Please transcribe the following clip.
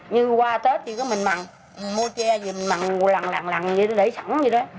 như qua tết thì mình mặn mua tre thì mình mặn lằn lằn lằn để sẵn vậy đó